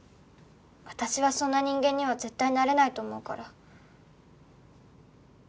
「私はそんな人間には絶対なれないと思うから」